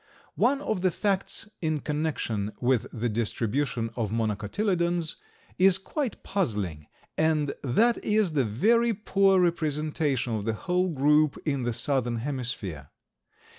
One of the facts in connection with the distribution of Monocotyledons is quite puzzling, and that is the very poor representation of the whole group in the southern hemisphere.